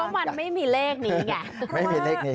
ก็มันไม่มีเลขนี้ไงไม่มีเลขนี้